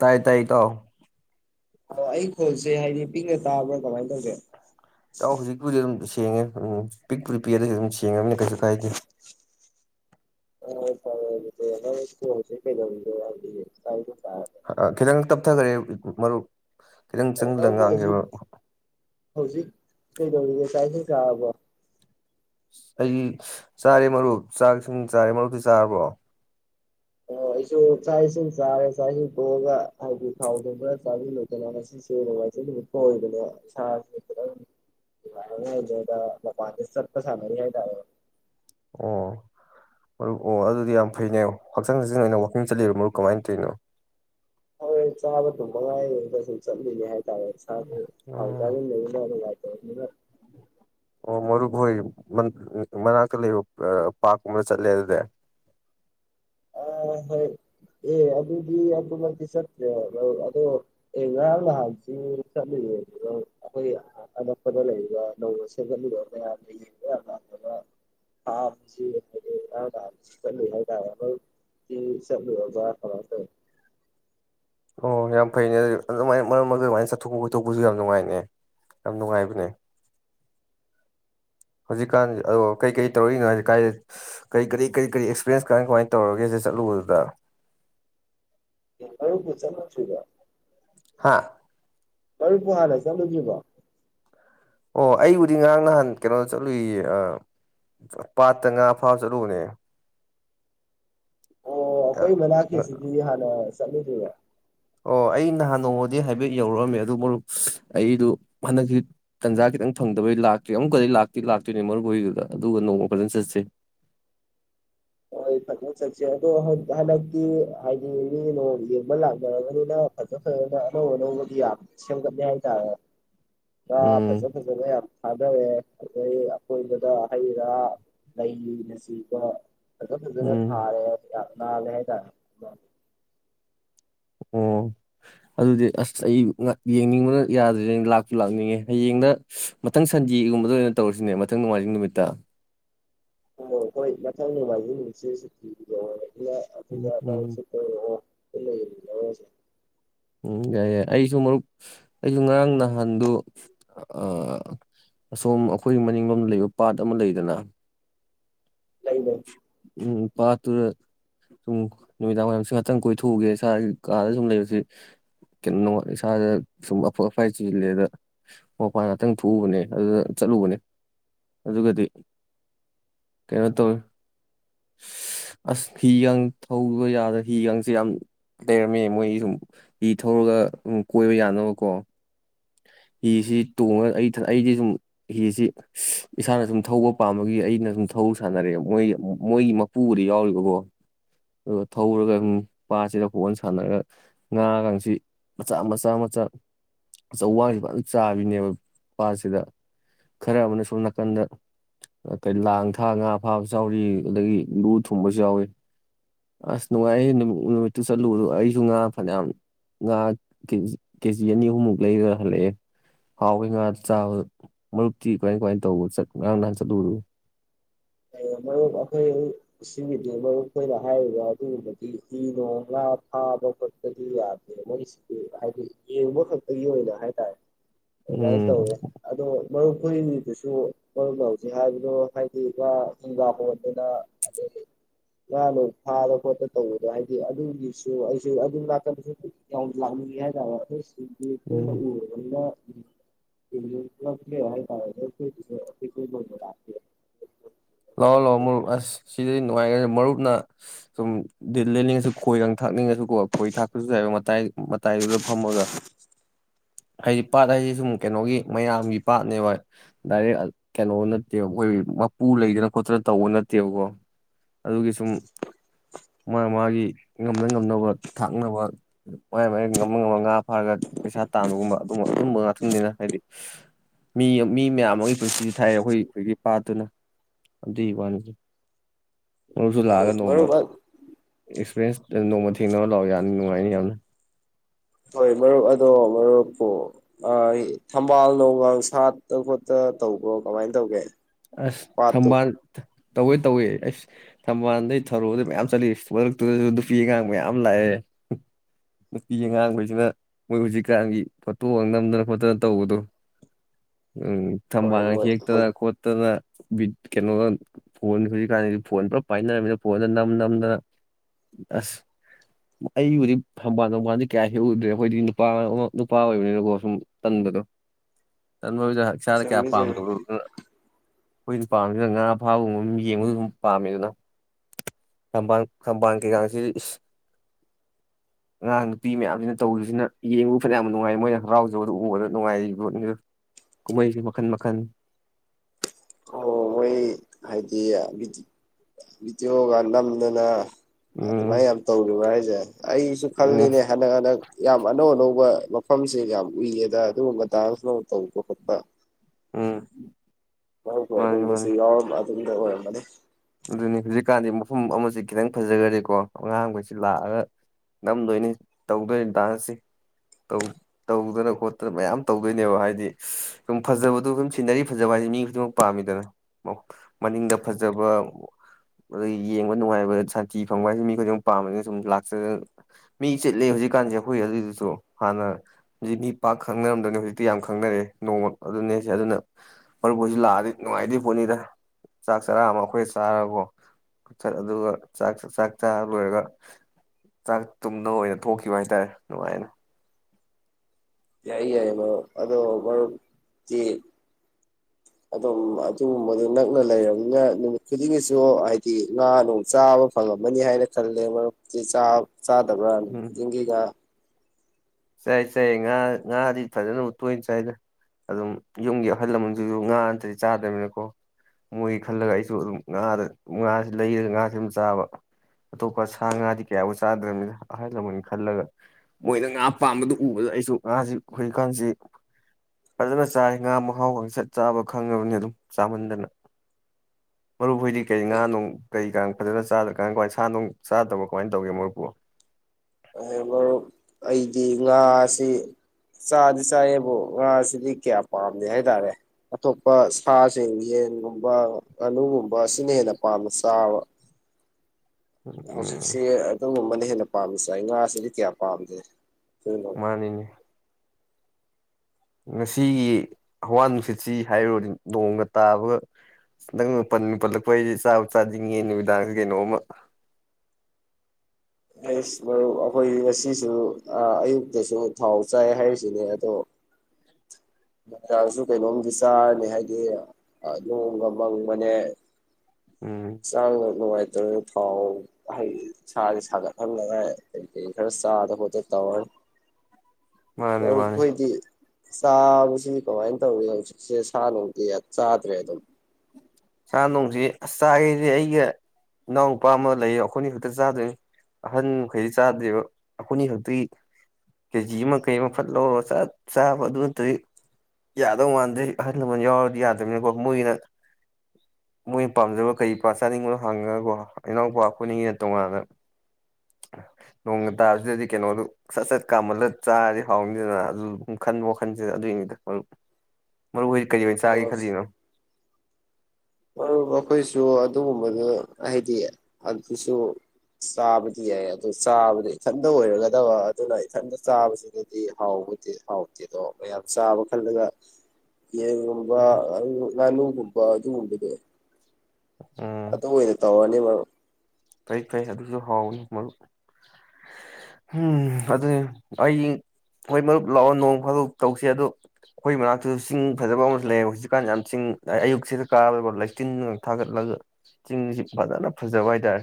ꯇꯥꯏ ꯇꯥꯏ ꯏꯇꯥꯎ ꯑꯣ ꯑꯩ ꯈꯣꯜꯁꯦ ꯍꯥꯏꯗꯤ ꯄꯤꯡꯛꯅ ꯇꯥꯕ꯭ꯔꯥ ꯀꯃꯥꯏꯅ ꯇꯧꯒꯦ ꯇ ꯍ ꯍꯧꯖꯤꯛꯔꯝ ꯁꯦꯡꯉꯦ ꯎꯝ ꯄꯤꯛꯄꯔꯤꯛ ꯄꯤꯔꯗꯁꯨ ꯑꯗꯨꯝ ꯁꯦꯡꯉꯕꯅꯤ ꯀꯩꯁꯨ ꯀꯥꯏꯗꯦ ꯐ ꯀꯩꯗ ꯀꯥꯏ ꯈꯤꯇꯪ ꯇꯞꯊꯈꯔꯦ ꯃꯔꯨꯞ ꯈꯤꯇꯪ ꯆꯪꯗ ꯃꯔꯨꯞꯄꯨ ꯍꯧꯖꯤꯛ ꯉꯥꯡꯈꯤꯕ ꯍꯧꯖꯤꯛ ꯀꯩꯗꯧꯔꯤꯒꯦ ꯆꯥꯛ ꯏꯁꯤꯡ ꯆꯥꯔꯕꯣ ꯑꯩ ꯆꯥꯔꯦ ꯃꯔꯨꯞ ꯆꯥꯛꯁꯤꯡ ꯆꯥꯔꯦ ꯃꯔꯨꯞꯁꯤ ꯆꯥꯔꯕ꯭ꯔꯣ ꯑꯣ ꯑꯩꯁꯨ ꯆꯥꯛ ꯏꯁꯤꯡ ꯆꯥꯔꯦ ꯆꯥꯛ ꯏꯁꯤꯡ ꯀꯣꯛꯑꯒ ꯍꯥꯏꯕꯗꯤ ꯊꯥꯎꯗꯣꯡ ꯄꯨꯔ ꯆꯥꯁꯤꯂꯣꯛꯗꯅ ꯉꯁꯤꯁꯦ ꯣꯡꯉꯥꯏꯖꯩ ꯅꯨꯃꯤꯠꯠꯇ ꯑꯣꯏꯕꯅꯦ ꯏꯁꯥꯁ ꯈꯤꯇꯪ ꯅꯨꯡꯉꯥꯏꯅ ꯍꯥꯏꯗ ꯃꯄꯥꯟꯗ ꯆꯠꯄ ꯁꯥꯟꯅꯔꯤ ꯍꯥꯏꯇꯥꯔꯦ ꯑꯣ ꯃꯔꯨꯞ ꯑꯣ ꯑꯗꯨꯗꯤ ꯌꯥꯝ ꯐꯩꯅꯦ ꯍꯛꯆꯥꯡ ꯍꯛꯆꯦꯜ ꯑꯣꯏꯅ ꯋꯥꯛꯀꯤꯡ ꯆꯠꯂꯤꯕꯣ ꯃꯔꯨꯞ ꯀꯃꯥꯏꯅ ꯇꯧꯔꯤꯅꯣ ꯍꯣꯏ ꯆꯥꯕ ꯇꯨꯝꯅꯕ [unintelligible] ꯁꯨꯝ ꯆꯠꯂꯤꯅꯦ ꯍꯥꯏꯦ ꯁ ꯐꯖ ꯑꯣ ꯃ [unintelligible] ꯑꯣ ꯃꯔꯨꯚꯣꯏ ꯃꯅꯥꯛꯇ ꯂꯩꯕ ꯄꯥꯔꯀꯨꯝꯕꯗ ꯆꯠꯂꯦ ꯑꯗꯨꯗꯤ ꯑ ꯍꯣꯏ ꯑꯦ ꯑꯗꯨꯗꯤ ꯑꯗꯨꯃꯛꯇꯤ ꯆꯠꯇ꯭ꯔꯦ ꯑꯗꯣ ꯑꯦ ꯉꯔꯥꯡ ꯅꯍꯥꯟꯁꯤ ꯆꯠꯂꯤꯨꯌꯦ ꯑꯩꯈꯣꯏ ꯑꯅꯛꯄꯗ ꯂꯩꯔꯤꯕ ꯅꯧꯕ ꯁꯦꯝꯒꯠꯂꯤꯨꯕ ꯃꯌꯥꯝꯅ ꯌꯦꯡꯕ ꯌꯥꯝꯗꯅ ꯐꯝꯁꯤ ꯍꯥꯏꯗꯤ ꯉꯔꯥꯡ ꯅꯍꯥꯟꯁꯤ ꯆꯠꯂꯤꯨ ꯍꯥꯏꯇꯥꯔꯦ ꯆ ꯔꯖꯥ ꯐꯔꯗ ꯑꯣ ꯌꯥꯝ ꯐꯩꯅꯦ ꯑꯗꯨ ꯑꯗꯨꯥꯏꯅ ꯃꯔꯝ ꯃꯔ ꯑꯗꯨꯃꯥꯏꯅ ꯆꯠꯊꯣꯛꯄ ꯈꯣꯠꯇꯣꯛꯄꯁꯨ ꯌꯥꯝ ꯅꯨꯡꯉꯥꯏꯅꯦ ꯌꯥꯝ ꯅꯨꯡꯉꯥꯏꯕꯅꯦ ꯍꯧꯖꯤꯛꯀꯥꯟ ꯑꯗꯣ ꯀꯔꯤ ꯀꯔꯤ ꯇꯧꯔꯛꯏꯅꯣ ꯍꯥꯏ ꯀꯥꯏ ꯀꯔꯤ ꯀꯔꯤ ꯀꯔꯤ ꯀꯔꯤ ꯑꯦꯛꯁꯄꯤꯔꯤꯦꯟꯁ ꯀꯃꯥꯏ ꯀꯃꯥꯏꯅ ꯇꯧꯔꯒꯦ ꯁꯤ ꯆꯠꯂꯨꯕꯗꯨꯗ ꯑꯦꯃ ꯄꯨꯁꯁꯨꯕ ꯍꯥꯥ ꯂꯔꯤꯄꯨ ꯍꯥꯟꯅ ꯆꯠꯂꯨꯔꯤꯕꯣ ꯑꯣ ꯑꯩꯕꯨꯗꯤ ꯉꯔꯍꯥꯡ ꯅꯍꯥꯟ ꯀꯩꯅꯣ ꯆꯠꯂꯨꯏꯌꯦ ꯄꯥꯠꯇ ꯉꯥ ꯐꯥꯕ ꯆꯠꯂꯨꯕꯅꯦ ꯑꯣ ꯑꯩꯈꯣꯏ ꯃꯅꯥꯛꯀꯤꯁꯤꯗꯤ ꯍꯥꯟꯅ ꯆꯠꯂꯤꯗꯕ ꯑꯗꯨ ꯍꯥꯏꯐꯦꯠ ꯌꯧꯔꯛꯑꯝꯃꯦ ꯑꯗꯨ ꯃꯔꯨꯞ ꯑꯩꯗꯨ ꯍꯟꯗꯛꯀꯤ ꯇꯟꯖꯥ ꯈꯤꯇꯪ ꯐꯪꯗꯕꯩ ꯂꯥꯛꯇ꯭ꯔꯤ ꯑꯃꯨꯛꯀꯗꯤꯩ ꯂꯥꯛꯇꯤ ꯂꯥꯛꯇꯣꯏꯅꯦ ꯃꯔꯨꯞ ꯍꯣꯏꯗꯨꯗ ꯑꯗꯨꯒ ꯅꯣꯡꯃ ꯐꯖꯅ ꯆꯠꯁꯤ ꯍꯣꯏ ꯐꯖꯅ ꯆꯠꯁꯦ ꯑꯗꯣ ꯍꯟꯗꯛꯇꯤ ꯍꯥꯏꯗꯤ ꯃꯤ ꯅꯣꯡ ꯌꯦꯡꯕ ꯂꯥꯛꯅꯔꯕꯅꯤꯅ ꯐꯖ ꯐꯖꯅ ꯑꯅꯧ ꯑꯅꯧꯕꯗꯤ ꯌꯥꯝ ꯁꯦꯝꯒꯠꯅꯤ ꯍꯥꯏꯇꯥꯔꯦ ꯑ ꯐꯁꯣ ꯎꯝ ꯐꯁꯨ ꯊꯥꯗꯔꯛꯑꯦ ꯑꯗꯩ ꯑꯀꯣꯏꯕꯗ ꯍꯩ ꯔꯥ ꯂꯩꯅꯆꯕ ꯑꯗꯨꯣ ꯐꯖꯤꯅ ꯎꯝ ꯊꯥꯔꯦ ꯂ ꯂꯩꯦ ꯍꯥꯏ ꯇ ꯑꯣ ꯑꯗꯨꯗꯤ ꯑꯁ ꯑꯩ ꯌꯦꯡꯅꯤꯡꯕꯅ ꯌꯥꯗ꯭ꯔꯦ ꯂꯥꯛꯄꯁꯨ ꯂꯥꯛꯅꯤꯡꯉꯦ ꯍꯌꯦꯡꯗ ꯃꯊꯪ ꯁꯟꯗꯦꯒꯨꯝꯕꯗ ꯑꯣꯏꯅ ꯇꯧꯔꯁꯤꯅꯦ ꯃꯊꯪ ꯅꯣꯡꯃꯥꯏꯖꯤꯡ ꯅꯨꯃꯤꯠꯇ ꯣꯏ ꯃꯊꯥꯏꯅꯤ ꯃꯥ ꯁꯤ ꯏ ꯎꯝ ꯑꯗꯨꯗ ꯎꯝ ꯎꯆꯛꯇ ꯏ ꯂꯩ ꯌꯥꯦ ꯎꯝ ꯌꯥꯏ ꯌꯥꯏ ꯑꯩꯁꯨ ꯃꯔꯨꯞ ꯑꯩꯁꯨ ꯉꯔꯥꯡ ꯅꯍꯥꯟꯗꯨ ꯑꯁꯣꯝ ꯑꯩꯈꯣꯏ ꯃꯅꯤꯡꯂꯣꯝꯗ ꯂꯩꯕ ꯄꯥꯠ ꯑꯃ ꯂꯩꯗꯅ ꯂꯩ ꯂꯩ ꯎ ꯄꯥꯠꯇꯨꯗ ꯁꯨꯝ ꯅꯨꯃꯤꯗꯥꯡ ꯋꯥꯏꯔꯝꯁꯤ ꯉꯥꯛꯇꯪ ꯀꯣꯏꯊꯣꯛꯎꯒꯦ ꯏꯁꯥꯒꯤ ꯀꯥꯗ ꯁꯨꯝ ꯂꯩꯕꯁꯤ ꯀꯩꯅꯣꯅꯨꯡ ꯏꯁꯥꯗ ꯁꯨꯝ ꯑꯐꯛ ꯑꯐꯥꯏ ꯆꯤꯜꯂꯦꯗ ꯃꯄꯥꯟ ꯉꯍꯥꯛꯇꯪ ꯊꯣꯛꯎꯕꯅꯦ ꯑꯗꯨꯗ ꯆꯠꯂꯨꯕꯅꯦ ꯑꯗꯨꯒꯗꯤ ꯀꯩꯅꯣ ꯇꯧꯋꯤ ꯑꯁ ꯍꯤꯒ ꯊꯧꯕ ꯌꯥꯗ꯭ꯔ ꯍꯤꯒꯁꯦ ꯌꯥꯝ ꯂꯩꯔꯝꯃꯦ ꯃꯣꯏ ꯁꯨꯝ ꯍꯤ ꯊꯧꯔꯒ ꯑꯗꯨ ꯀꯣꯏꯕ ꯌꯥꯅꯕꯀꯣ ꯍꯤꯁꯤ ꯇꯣꯡꯉꯒ ꯑꯩ ꯑꯩꯗꯤ ꯁꯨꯝ ꯍꯤꯁꯤ ꯏꯁꯥꯅ ꯁꯨꯝ ꯊꯧꯕ ꯄꯥꯝꯕꯒꯤ ꯑꯩꯅ ꯁꯨꯝ ꯊꯧ ꯁꯥꯟꯅꯔꯛꯑꯦ ꯃꯣꯏ ꯃꯣꯏꯒꯤ ꯃꯄꯨꯕꯨꯗꯤ ꯌꯥꯎꯔꯤꯕꯀꯣ ꯑꯗꯨꯒ ꯊꯧꯔꯒ ꯁ ꯄꯥꯁꯤꯗ ꯈꯣꯛꯑꯅ ꯁꯥꯟꯅꯔꯒ ꯉꯥꯒꯁꯤ ꯃꯆꯥ ꯃꯆꯥ ꯃꯆꯥ ꯑꯆꯧꯋꯥꯁꯤꯦ ꯐꯖ ꯆꯥꯔꯤꯅꯦꯕ ꯄꯥꯠꯁꯤꯗ ꯈꯔ ꯑꯃꯅ ꯁꯣꯝ ꯅꯥꯀꯟꯗ ꯀ ꯂꯥꯡ ꯊꯥ ꯉꯥ ꯐꯥꯕꯁꯨ ꯌꯥꯎꯔꯤ ꯑꯗꯒꯤ ꯂꯨ ꯊꯨꯝꯕꯁꯨ ꯌꯥꯎꯏ ꯑꯁ ꯅꯨꯡꯉꯥꯏꯦ ꯅꯨꯃꯤ ꯅꯨꯃꯤꯠꯇꯨ ꯆꯠꯂꯨꯗ ꯑꯩꯁꯨ ꯉꯥ ꯐꯅꯌꯥꯝ ꯉꯥ ꯀꯦꯖꯤ ꯑꯅꯤ ꯑꯍꯨꯝꯃꯨꯛ ꯂꯩꯔ ꯍꯜꯂꯛꯑꯦ ꯍꯥꯎꯕ ꯉꯥ ꯆꯥꯕ ꯃꯔꯨꯞꯇꯤ ꯀꯃꯥꯏ ꯀꯃꯥꯏ ꯇꯧꯕ ꯉꯔꯥꯡ ꯅꯍꯥꯟ ꯆꯠꯂꯨꯕꯗꯣ ꯃꯔꯨꯞ ꯑꯩꯈꯣꯏ ꯁꯤꯗꯤ ꯃꯔꯨꯞ ꯑꯩꯈꯣꯏꯅ ꯍꯥꯏꯔꯤꯕ ꯑꯗꯨꯒꯨꯝꯕꯗꯤ ꯏ ꯅꯣ ꯉꯥ ꯐꯥꯕ ꯈꯄꯗꯤ ꯌꯥꯗꯦ ꯃꯣꯏꯁꯤꯗꯤ ꯍꯥꯏꯗꯤ ꯌꯦꯡꯕ ꯈꯛꯇꯒꯤ ꯑꯣꯏꯅ ꯍꯥꯏꯇꯥꯔꯦ ꯑꯗꯨꯃꯥꯏꯅ ꯎꯝ ꯇꯧꯋꯦ ꯑꯗꯣ ꯃꯔꯨꯞꯨꯣꯏꯅꯤꯗꯨꯁꯨ ꯀ ꯂꯧꯁꯤ ꯍꯥꯏꯕꯅꯣ ꯍꯥꯏꯗꯤ ꯉꯥ ꯍꯤꯡꯒꯥ ꯈꯣꯟꯠꯇꯅ ꯑꯗꯗꯒꯤ ꯉꯥ ꯂꯣ ꯐꯥꯗ ꯈꯣꯠꯇ ꯇꯧꯕꯗꯣ ꯍꯥꯏꯗꯤ ꯑꯗꯨꯒꯤꯁꯨ ꯑꯩꯁꯨ ꯑꯗꯨ ꯂꯥꯛꯀꯗꯁꯨ ꯌꯥꯝ ꯂꯥꯛꯅꯤꯡꯉꯤ ꯍꯥꯏꯇꯥꯔꯦ ꯑꯗꯨꯁꯨ ꯅꯨꯃꯤꯠ ꯊꯦꯡꯅ ꯎꯝ ꯎꯔꯕꯅꯤꯅ [unintelligible] ꯂꯥꯀꯑꯣ ꯂꯥꯀꯑꯣ ꯃꯔꯨꯞ ꯁꯤꯗ ꯅꯨꯡꯉꯥꯏ ꯃꯔꯨꯞꯅ ꯁꯨꯝ ꯗꯤꯜꯂꯦꯅꯤꯡꯉꯁꯨ ꯈꯣꯏꯒꯪ ꯊꯥꯛꯅꯤꯡꯉꯁꯨꯀꯣ ꯈꯣꯏ ꯊꯥꯛꯄꯁꯨ ꯍꯥꯏꯕ ꯃꯇꯥꯏ ꯃꯇꯥꯏꯗꯨꯗ ꯐꯝꯃꯒ ꯍꯥꯏꯗꯤ ꯄꯥꯠ ꯍꯥꯏꯁꯦ ꯁꯨꯝ ꯀꯩꯅꯣꯒꯤ ꯃꯌꯥꯝꯒꯤ ꯄꯥꯠꯅꯦꯕ ꯗꯥꯏꯔꯦꯛ ꯀꯩꯅꯣ ꯅꯠꯇꯦꯕ ꯑꯩꯈꯣꯏ ꯃꯄꯨ ꯂꯩꯗꯅ ꯈꯣꯠꯇꯅ ꯇꯧꯕ ꯅꯠꯇꯦꯕꯀꯣ ꯑꯗꯨꯒꯤ ꯁꯨꯝ ꯃꯥ ꯃꯥꯒꯤ ꯉꯝꯅ ꯉꯝꯅꯕ ꯊꯥꯛꯅꯕ ꯃꯥꯏ ꯃꯥꯏ ꯉꯝꯝꯕ ꯉꯝꯃ ꯉꯥ ꯐꯥꯔꯒ ꯄꯩꯁꯥ ꯇꯥꯟꯕꯒꯨꯝꯕ ꯑꯗꯨꯝꯕ ꯑꯗꯨꯝꯕ ꯉꯥꯛꯇꯥꯅꯤꯅ ꯍꯥꯏꯗꯤ ꯃꯤ ꯃꯤ ꯃꯌꯥꯝ ꯑꯃꯒꯤ ꯄꯨꯟꯁꯤꯁꯨ ꯊꯥꯛꯏ ꯑꯩꯈꯣꯏ ꯑꯩꯈꯣꯏꯒꯤ ꯄꯥꯠꯇꯨꯅ ꯗꯤ ꯋꯥꯅꯤ ꯃꯔꯁꯨ ꯂꯥꯛꯑꯒ ꯑꯦ ꯅꯣꯡꯃ ꯃꯔꯨꯞ ꯑꯦꯛꯁꯄꯤꯔꯌꯦꯟꯁ ꯑꯗꯨ ꯅꯣꯡꯃ ꯊꯦꯡꯅꯕ ꯂꯥꯛꯑꯣ ꯌꯥꯅꯤ ꯅꯨꯡꯉꯥꯏꯅꯤ ꯌꯥꯝꯅ ꯍꯣꯏ ꯃꯔꯨꯞ ꯑꯗꯣ ꯃꯔꯨꯞꯄꯨ ꯊꯝꯕꯥꯜ ꯅꯣꯡꯒꯡ ꯁꯥꯠꯇ ꯈꯣꯠꯇ ꯇꯧꯕꯣ ꯀꯃꯥꯏꯅ ꯇꯧꯒꯦ ꯑꯁ ꯄꯥꯠꯇꯨ ꯊꯝꯝꯕꯜ ꯇꯧꯋꯦ ꯇꯧꯋꯦ ꯑꯩꯁ ꯊꯝꯕꯥꯜꯗꯩ ꯊꯧꯔꯣꯗꯩ ꯃꯌꯥꯝ ꯆꯠꯂꯤ ꯁꯔꯛꯇꯨꯗꯁꯨ ꯅꯨꯄꯤ ꯑꯉꯥꯡ ꯃꯌꯥꯝ ꯂꯥꯛꯑꯦ ꯅꯨꯄꯤ ꯑꯉꯥꯡꯈꯩꯁꯤꯅ ꯃꯣꯏ ꯍꯧꯖꯤꯛꯀꯥꯟꯒꯤ ꯐꯣꯇꯣꯒ ꯅꯝꯗꯅ ꯈꯣꯠꯇꯅ ꯇꯧꯕꯗꯣ ꯎꯝ ꯍꯣꯏ ꯊꯝꯕꯜꯒꯥꯡ ꯃꯣꯏ ꯍꯦꯛꯇꯅ ꯈꯣꯠ ꯑꯗꯨꯅꯕꯤ ꯀꯩꯅꯣꯗ ꯐꯣꯟ ꯍꯧꯖꯤꯛꯀꯥꯟꯗꯤꯗꯤ ꯐꯣꯟ ꯄꯨꯂꯞ ꯄꯥꯏꯅꯔꯃꯤꯅ ꯐꯣꯟꯗ ꯅꯝ ꯅꯝꯗꯅ ꯑꯁ ꯑꯩꯕꯨꯗꯤ ꯐꯝꯕꯥꯜ ꯊꯝꯕꯥꯜꯗꯤ ꯀꯌꯥ ꯍꯦꯛꯎꯗ꯭ꯔꯦ ꯑꯩꯈꯣꯏꯗꯤ ꯅꯨꯄꯥ ꯅꯨꯄꯥ ꯑꯣꯏꯕꯅꯤꯅꯀꯣ ꯁꯨꯝ ꯇꯟꯕꯗꯣ ꯈꯔꯦ ꯀꯌꯥ ꯆꯨꯝꯃꯤ ꯆꯨꯝꯃꯤ ꯄꯥꯝꯗꯧ ꯑꯩꯈꯣꯏꯅ ꯄꯥꯝꯁꯤꯅ ꯉꯥ ꯐꯥꯕꯒꯨꯝꯕ ꯌꯦꯡꯕꯗꯨ ꯑꯗꯨꯝ ꯄꯥꯝꯃꯦ ꯑꯗꯨꯅꯝꯕꯥꯜ ꯊꯝꯕꯥꯜ ꯀꯩꯀꯥꯁꯤ ꯑꯉꯥꯡ ꯅꯨꯄꯤ ꯃꯌꯥꯝꯁꯤꯅ ꯇꯧꯕꯁꯤꯅ ꯌꯦꯡꯕ ꯐꯅꯌꯥꯝ ꯌꯥꯝ ꯅꯨꯡꯉꯥꯏ ꯃꯣꯏꯅ ꯍꯔꯥꯎꯖꯕꯗ ꯎꯕꯗ ꯅꯨꯡꯉꯥꯏꯔꯤꯕ ꯄꯣꯠꯅꯤ ꯀꯨꯝꯍꯩꯁꯦ ꯃꯈꯜ ꯃꯈꯜ ꯑꯣ ꯃꯣꯏ ꯍꯥꯏꯗꯤ ꯚꯤꯗꯤꯑꯣꯒ ꯅꯝꯗꯅ ꯎꯝ ꯑꯗꯨꯃꯥꯏꯅ ꯌꯥꯝ ꯇꯧꯔꯤꯕ꯭ꯔ ꯍꯥꯏꯁꯦ ꯑꯩꯁꯨ ꯎꯝ ꯈꯜꯂꯤꯅꯦ ꯍꯟꯗꯛ ꯍꯟꯗꯛ ꯌꯥꯝ ꯑꯅꯧ ꯑꯅꯧꯕ ꯃꯐꯝꯁꯦ ꯌꯥꯝ ꯎꯏꯌꯦꯗ ꯑꯗꯨꯒꯨꯝꯕ ꯃꯇꯥꯡꯁꯨꯅ ꯇꯧꯕꯧꯕ ꯈꯣꯠꯄ ꯎꯟ ꯍ ꯍꯣꯏ ꯑꯗꯨꯝ ꯌꯥ ꯗ ꯑꯣꯏ ꯃꯅꯦ ꯑꯗꯨꯅꯤ ꯍꯧꯖꯤꯛꯀꯥꯟꯗꯤ ꯃꯐꯝ ꯑꯃꯁꯤ ꯈꯤꯇꯪ ꯐꯖꯈ꯭ꯔꯦꯀꯣ ꯑꯉꯥꯡꯈꯩꯁꯤ ꯂꯥꯛꯑꯒ ꯅꯝꯗꯣꯏꯅꯤ ꯇꯧꯗꯣꯏꯅꯤ ꯗꯥꯟꯁꯁꯦ ꯇꯧꯗꯅ ꯈꯣꯠꯇꯅ ꯃꯌꯥꯝ ꯇꯧꯗꯣꯏꯅꯦꯕ ꯍꯥꯏꯗꯤ ꯁꯨꯝ ꯐꯖꯕꯗꯣ ꯁꯨꯝ ꯁꯤꯅꯔꯤ ꯐꯖꯕ ꯍꯥꯏꯗꯤ ꯃꯤ ꯈꯨꯗꯤꯡꯃꯛ ꯄꯥꯝꯃꯤꯗꯅ ꯃꯅꯤꯡꯗ ꯐꯖꯕ ꯑꯗꯒꯤ ꯌꯦꯡꯕ ꯅꯨꯡꯉꯥꯏꯕ ꯁꯥꯟꯇꯤ ꯐꯪꯕ ꯍꯥꯏꯁꯦ ꯃꯤ ꯈꯨꯗꯤꯡꯃꯛ ꯄꯥꯝꯕꯅꯤꯅ ꯁꯨꯝ ꯂꯥꯛꯆ ꯃꯤ ꯆꯤꯠꯂꯦ ꯍꯧꯖꯤꯛꯀꯥꯟꯁꯦ ꯑꯩꯈꯣꯏ ꯑꯗꯨꯗꯁꯨ ꯍꯥꯟꯅ ꯍꯧꯖꯤꯛ ꯃꯤ ꯄꯥꯛ ꯈꯪꯅꯔꯝꯗꯕꯅꯤ ꯍꯧꯖꯤꯛꯇꯤ ꯌꯥꯝ ꯈꯪꯅꯔꯛꯑꯦ ꯅꯣꯡꯣꯟ ꯑꯗꯨꯅꯦ ꯑꯗꯨꯅ ꯃꯔꯨꯞ ꯄꯣꯠꯁꯤ ꯂꯥꯛꯑꯗꯤ ꯅꯨꯡꯉꯥꯏꯗꯦ ꯄꯣꯠꯅꯤꯗ ꯆꯥꯛ ꯆꯥꯔꯥ ꯑꯃ ꯑꯩꯈꯣꯏ ꯆꯥꯔꯔꯕꯣꯠ ꯑꯗꯨꯒ ꯆ ꯆꯥꯛ ꯆꯥꯔ ꯂꯣꯏꯔꯒ ꯆꯥꯛ ꯇꯨꯝꯅ ꯑꯣꯏꯅ ꯊꯣꯛꯈꯤꯕ ꯍꯥꯏꯇꯥꯔꯦ ꯑꯗꯨꯃꯥꯏꯅ ꯌꯥꯏ ꯌꯥꯏ ꯃꯔꯨꯞ ꯑꯗꯣ ꯃꯔꯨꯞꯛꯇꯤ ꯑꯗꯨꯝ ꯑꯗꯨꯒꯨꯝꯕꯗꯨ ꯅꯛꯅ ꯂꯩꯔꯕꯅꯤꯅ ꯅꯨꯃꯤꯠ ꯈꯨꯗꯤꯡꯒꯤꯁꯨ ꯍꯥꯏꯗꯤ ꯉꯥ ꯅꯨꯡ ꯆꯥꯕ ꯐꯪꯉꯝꯃꯅꯤ ꯍꯥꯏꯅ ꯈꯜꯂꯦ ꯃꯔꯨꯞꯛꯇꯤꯥ ꯆꯥ ꯆꯥꯗꯕ ꯎꯝ ꯌꯦꯒꯤꯤꯒ ꯆꯥꯏ ꯆ ꯆꯩ ꯉꯥ ꯉꯥꯗꯤ ꯐꯖꯅ ꯇꯣꯏꯅ ꯆꯥꯏꯗ ꯑꯗꯨꯝ ꯌꯨꯝꯒꯤ ꯑꯍꯜ ꯂꯃꯟꯁꯤꯁꯨ ꯉꯥꯇꯗꯤ ꯆꯥꯗ꯭ꯔꯕꯅꯤꯅꯀꯣ ꯃꯣꯏ ꯈꯜꯂꯒ ꯑꯩꯁꯨ ꯑꯗꯨꯝ ꯉꯥꯗ ꯉꯥꯥꯁ ꯂꯩꯔꯒ ꯉꯥꯥꯁ ꯑꯗꯨꯝ ꯆꯥꯕ ꯑꯇꯣꯞꯄ ꯁꯥ ꯉꯥꯗꯤ ꯀꯌꯥꯐꯨꯛ ꯆꯥꯗ꯭ꯔꯕꯅꯤꯅ ꯑꯍꯜ ꯂꯃꯟ ꯈꯜꯂꯒ ꯃꯣꯏꯗ ꯉꯥ ꯑꯄꯥꯝꯕꯗꯨ ꯎꯕꯗ ꯑꯩꯁꯨ ꯉꯥꯁꯤ ꯍꯧꯖꯤꯛꯀꯥꯟꯁꯤ ꯐꯖꯅ ꯆꯥꯔꯤ ꯉꯥ ꯃꯈꯥꯎ ꯈ ꯁꯠ ꯆꯥꯕ ꯈꯪꯉꯕꯅꯤ ꯑꯗꯨꯝ ꯆꯥꯃꯟꯗꯅ ꯃꯔꯨꯞ ꯍꯣꯏꯗꯤ ꯀꯩ ꯉꯥ ꯅꯨꯡ ꯀꯩꯀ ꯐꯖꯅ ꯆꯥꯗꯀ ꯀꯃꯥꯏꯅ ꯁꯥ ꯅꯨꯡ ꯆꯥꯗꯕ ꯀꯃꯥꯏꯅ ꯇꯧꯒꯦ ꯃꯔꯨꯞꯄꯨ ꯃꯔꯨꯞ ꯑꯩꯗꯤ ꯉꯥꯁꯤ ꯆꯥꯗꯤ ꯆꯥꯏꯌꯦꯕꯨ ꯉꯥꯁꯤꯗꯤ ꯀꯌꯥ ꯄꯥꯝꯗ ꯍꯥꯏ ꯇꯥꯔꯦ ꯑꯇꯣꯞꯄ ꯁꯥꯁꯤꯡ ꯌꯦꯟꯒꯨꯝꯕ ꯉꯥꯅꯨꯒꯨꯝꯕ ꯑꯁꯤꯅ ꯍꯦꯟꯅ ꯄꯥꯝꯅ ꯆꯥꯕ꯫ ꯍꯧꯖꯤꯛꯁꯤ ꯎꯝ ꯑꯗꯨꯒꯝꯨꯝꯕꯅ ꯍꯦꯅꯥ ꯄꯥꯝꯃꯤꯁ ꯑꯩ ꯉꯥꯁꯤꯗꯤ ꯀꯌꯥ ꯄꯥꯝꯗꯦ꯫ ꯑꯗꯨꯅ ꯃꯥꯅꯤꯅꯦ ꯉꯁꯤꯒꯤ ꯍꯋꯥ ꯅꯨꯡꯁꯤꯠꯁꯤ ꯍꯥꯏꯔꯨꯔꯅꯤ ꯅꯣꯡꯒ ꯇꯥꯕ ꯈꯤꯇꯪ ꯄ ꯄꯜꯂꯛꯄ ꯍꯥꯏꯁꯦ ꯆꯥꯕ ꯆꯥꯗ꯭ꯉꯩ ꯅꯨꯃꯤꯗꯥꯡꯁ ꯀꯩꯅꯣꯃ ꯑꯦꯁ ꯃꯔ ꯑꯩꯈꯣꯏ ꯉꯁꯤꯁꯨ ꯑꯌꯨꯛꯇꯁꯨ ꯊꯥꯎ ꯆꯥꯏ ꯍꯥꯏꯔꯤꯁꯤꯅꯦ ꯑꯗꯣ ꯥꯔꯁꯨ ꯀꯩꯅꯣꯝꯗꯤ ꯆꯥꯔꯅꯤ ꯍꯥꯏꯗꯤ ꯅꯣꯡꯒ ꯃꯪꯕꯅꯦ ꯎꯝ ꯆꯥꯡꯉ ꯃꯕꯥ ꯑꯗꯨ ꯊꯥꯎꯩ ꯁꯥꯥꯁꯦ ꯁꯥꯒꯠꯍꯟꯗꯔ ꯀꯩ ꯀꯔꯤ ꯈꯔ ꯆꯥꯗ ꯈꯣꯠꯇ ꯇꯧꯔꯅꯤ ꯃꯥꯅꯦ ꯃꯔ ꯃꯥꯅꯦ ꯈꯣꯏꯗꯤ [unintelligible] ꯁꯤ ꯀꯃꯥꯏꯅ ꯇꯧꯏꯤ ꯍꯧꯖꯤꯛꯁꯦ ꯁꯥ ꯅꯨꯡꯛꯇꯤ ꯆꯥꯗ꯭ꯔꯦ ꯑꯗꯨꯝ꯫ ꯁꯥꯥ ꯣꯡꯁꯤ ꯑꯁ ꯆꯥꯈꯩꯁ ꯑꯩꯒ ꯏꯅꯥꯎꯅꯨꯄꯥ ꯑꯃ ꯂꯩꯌꯦ ꯑꯩꯈꯣꯏꯅꯤ ꯈꯛꯇ ꯆꯥꯗꯣꯏ ꯑꯍꯟ ꯃꯈꯩꯗꯤ ꯆꯥꯗꯦꯕ ꯑꯩꯈꯣꯏꯅꯤ ꯈꯛꯇꯤ ꯀꯦꯖꯤ ꯑꯃꯩ ꯑꯃ ꯐꯠ ꯂꯧꯔꯒ ꯆ ꯆꯥꯕ ꯑꯗꯨ ꯅꯠꯇꯗꯤ ꯌꯥꯗꯧ ꯃꯥꯟꯗꯦ ꯑꯍꯜ ꯂꯃꯟ ꯌꯥꯎꯔꯗꯤ ꯌꯥꯗꯕꯅꯤꯀꯣ ꯃꯣꯏꯅ ꯃꯣꯏꯅ ꯄꯥꯝꯖꯕ ꯀꯩ ꯆꯥꯅꯤꯡꯕꯅꯣ ꯍꯪꯉꯒꯀꯣ ꯏꯅꯥꯎꯄꯥ ꯈꯨꯈꯣꯏꯅꯤꯡꯉꯅ ꯇꯣꯉꯥꯟꯅ ꯅꯣꯡ ꯇꯥꯕꯁꯤꯗꯗꯤ ꯀꯩꯅꯣꯗꯨ ꯁꯠ ꯁꯠ ꯀꯥꯝꯃꯜꯂ ꯆꯥꯔꯗꯤ ꯍꯥꯎꯅꯤꯗꯅ ꯑꯗꯨ ꯑꯗꯨꯝ ꯈꯟꯕ ꯋꯥꯈꯟꯁꯤꯗ ꯑꯗꯨꯏꯅꯤꯗ ꯃꯔꯨꯞ꯫ ꯃꯔꯨ ꯍꯗꯤ ꯀꯔꯤ ꯆꯥꯒꯦ ꯈꯜꯂꯤꯅꯣ꯫ ꯑꯩꯈꯣꯏꯁꯨ ꯑꯗꯨꯒꯨꯝꯕꯗꯨ ꯍꯥꯏꯗꯤ ꯑꯗꯨꯁꯨ ꯆꯥꯕꯗꯤ ꯌꯥꯏ ꯑꯗꯨ ꯆꯥꯕꯗ ꯏꯊꯟꯇ ꯑꯣꯏꯔꯒꯗꯕ ꯑꯗꯨꯅ ꯏꯊꯟꯇ ꯆꯥꯕꯁꯤꯗꯗꯤ ꯍꯥꯎꯕꯗꯤ ꯍꯥꯎꯇꯦ ꯑꯗꯣ ꯃꯌꯥꯝ ꯆꯥꯕ ꯈꯜꯂꯒ ꯌꯦꯟ [unintelligible] ꯉꯥꯅꯨ ꯒꯨꯝꯕ ꯑꯗꯨ ꯒꯨꯝꯕ [unintelligible] ꯎꯝ ꯑꯗꯨ ꯑꯣꯏꯅ ꯇꯧꯔꯥꯅꯤ ꯃꯔꯨꯞ꯫ ꯐꯩ ꯐꯩ ꯑꯗꯨꯁꯨ ꯍꯥꯎꯅꯤ ꯃꯔꯨꯞ ꯎꯝ ꯑꯗꯨꯗꯤ ꯑꯩ ꯍꯣꯏ ꯃꯔꯨꯞ ꯂꯥꯛꯑꯣ ꯅꯣꯡ ꯐꯥꯗꯣꯛ ꯇꯧꯁ ꯑꯗꯣ ꯑꯩꯈꯣꯏ ꯃꯅꯥꯛꯇꯁꯨ ꯆꯤꯡ ꯐꯖꯕ ꯑꯃꯁꯨ ꯂꯩ ꯍꯧꯖꯤꯛꯀꯥꯟ ꯌꯥꯝ ꯆꯤꯡ ꯑꯌꯨꯛꯁꯤꯗ ꯀꯥꯣꯏꯕ ꯂꯩꯆꯤꯟ ꯊꯥꯒꯠꯂꯒ ꯆꯤꯡꯁꯤ ꯐꯖꯅ ꯐꯖꯕ ꯍꯥꯏꯇꯥꯔꯦ꯫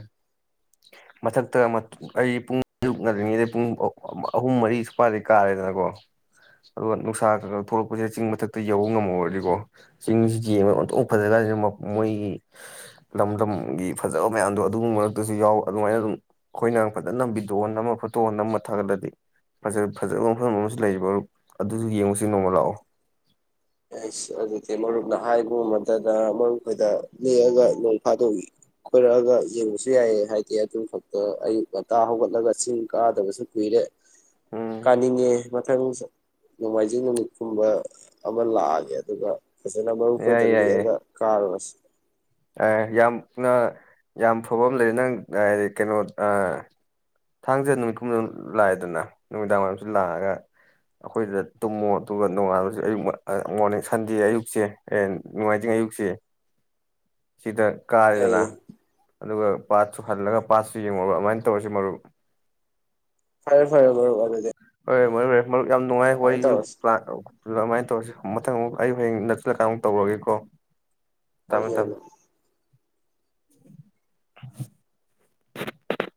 ꯃꯊꯛꯇ ꯑꯩ ꯄꯨꯡ ꯑꯔꯨꯛꯅꯗ꯭ꯔꯤꯉꯩꯗ ꯄꯨꯡ ꯑꯍꯨꯝ ꯃꯔꯤ ꯁꯨꯄꯗꯩ ꯀꯥꯔꯦꯗꯅꯀꯣ ꯑꯗꯣ ꯅꯨꯡꯁꯥ ꯈ ꯈ ꯊꯣꯛꯂꯛꯄꯁꯤꯗ ꯆꯤꯡ ꯃꯊꯛꯇ ꯌꯧꯕ ꯉꯝꯃꯔꯗꯤꯀꯣ ꯆꯤꯡꯁꯤ ꯌꯦꯡꯉꯒ ꯑꯣꯇꯣꯛ ꯐꯖ ꯀꯥꯟꯁꯤꯅ ꯃꯣꯏꯒꯤ ꯂꯝꯗꯝꯒꯤ ꯐꯖꯕ ꯃꯌꯥꯝꯗꯣ ꯑꯗꯨꯒꯨꯝꯕ ꯑꯗꯨꯁꯨ ꯌꯥꯎꯋ ꯑꯗꯨꯃꯥꯏꯅ ꯑꯗꯨꯝ ꯑꯩꯈꯣꯏꯅ ꯐꯖꯅ ꯚꯤꯗꯤꯑꯣ ꯑꯃ ꯐꯣꯇꯣ ꯍꯣꯟ ꯑꯃ ꯊꯥꯒꯠꯂꯗꯤ ꯐꯖꯕ ꯃꯐꯝ ꯑꯃꯁꯨ ꯂꯩꯔꯤꯕ ꯑꯗꯨꯁꯨ ꯌꯦꯡꯕꯁꯤ ꯅꯣꯡꯃ ꯂꯥꯛꯑꯣ ꯑꯩꯁ ꯑꯗꯨꯗꯤ ꯃꯔꯨꯞꯅ ꯍꯥꯏꯕꯃꯗꯗ ꯃꯔꯨꯞꯈꯣꯏꯗ ꯂꯦꯛꯑꯒ ꯅꯣꯡ ꯐꯥꯗꯣꯛ ꯀꯣꯏꯔꯛꯑꯒ ꯌꯦꯡꯕꯁꯨ ꯌꯥꯏꯑ ꯍꯥꯏꯗꯤ ꯑꯗꯨ ꯈꯛꯇ ꯑꯌꯨꯛ ꯉꯇꯥ ꯍꯧꯒꯠꯂꯒ ꯆꯤꯡ ꯀꯥꯗꯕꯁꯨ ꯀꯨꯏꯔꯦ ꯎꯝ ꯀꯥꯅꯤꯡꯒꯦ ꯃꯊꯪ ꯅꯣꯡꯃꯥꯏꯖꯤꯡ ꯅꯨꯃꯤꯠꯀꯨꯝꯕ ꯑꯃꯕ ꯂꯑꯒꯦ ꯑꯗꯨꯒ ꯐꯖꯅ ꯃꯔꯨꯈꯣꯏꯗ ꯂꯤꯛꯛꯑꯒ ꯀꯥꯔꯨꯔꯁꯤ ꯑꯦ ꯌꯥꯝꯅ ꯌꯥꯝ ꯐ꯭ꯔꯕ ꯂꯩꯔꯦ ꯅꯪ ꯍꯥꯏꯗꯤ ꯀꯩꯅꯣ ꯊꯥꯡꯖꯗ ꯅꯨꯃꯤꯠꯀꯨꯝꯗꯪ ꯂꯥꯛꯑꯦꯗꯅ ꯅꯨꯃꯤꯗꯥꯡ ꯋꯥꯏꯔꯝꯁꯨ ꯂꯥꯛꯑꯒ ꯑꯩꯈꯣꯏꯗꯨꯗ ꯇꯨꯝꯃꯣ ꯑꯗꯨꯒ ꯅꯣꯡꯉꯥꯜꯂꯁꯨ ꯑꯌꯨꯛ ꯃꯣꯔꯅꯤꯡ ꯁꯟꯗꯦ ꯑꯌꯨꯛꯁꯦ ꯍ ꯅꯨꯡꯉꯥꯏꯖꯤꯡ ꯑꯌꯨꯛꯁꯦ ꯁꯤꯗ ꯀꯥꯏꯗꯅ ꯌꯥꯏꯌꯦ ꯑꯗꯨꯒ ꯄꯥꯠꯁꯨ ꯍꯜꯂꯒ ꯄꯥꯠꯁꯨ ꯌꯦꯡꯉꯕ ꯑꯗꯨꯃꯥꯏꯅ ꯇꯧꯔꯁꯤ ꯃꯔꯨꯞ ꯐꯔꯦ ꯐꯔꯦ ꯃꯔꯨꯞ ꯑꯗꯨꯗꯦ [unintelligible] ꯍ ꯃꯣꯏ ꯃꯔꯨꯞ ꯌꯥꯝ ꯅꯨꯡꯉꯥꯏ ꯋꯥꯔꯤꯁꯨ ꯇꯧꯔꯁꯤ ꯄ꯭ꯂꯥꯟ ꯑꯗꯨꯃꯥꯏꯅ ꯇꯧꯔꯁꯤ ꯃꯊꯪ ꯑꯃꯨꯛ ꯑꯩ ꯍꯌꯦꯡ ꯅꯛꯁꯤꯜꯂꯀ ꯑꯃꯨꯛ ꯇꯧꯔꯒꯦꯀꯣ ꯍꯣꯏ ꯊꯝꯃꯦ ꯍꯣꯏ ꯊꯝꯃꯦ [unintelligible]